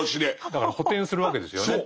だから補填するわけですよね。